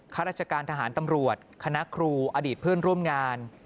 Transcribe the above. ข้าราชการทหารตำรวจคณะครูอดีตเพื่อนร่วมงาน